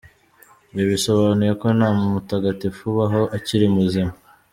Ibi bisobanuye ko nta mutagatifu ubaho akiri muzima.